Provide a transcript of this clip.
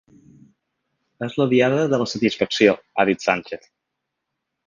És la Diada de la satisfacció –ha dit Sánchez–.